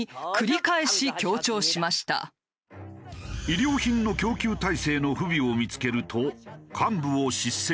医療品の供給体制の不備を見付けると幹部を叱責。